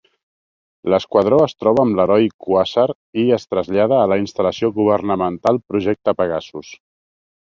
L'Esquadró es troba amb l'heroi Quasar i es trasllada a la instal·lació governamental Projecte Pegasus.